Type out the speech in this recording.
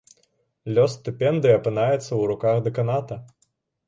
Лёс стыпендыі апынаецца ў руках дэканата.